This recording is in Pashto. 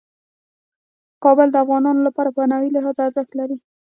کابل د افغانانو لپاره په معنوي لحاظ ارزښت لري.